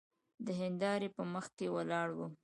د هندارې په مخکې ولاړ وم.